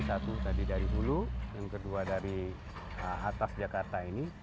satu dari ulu yang kedua dari atas jakarta ini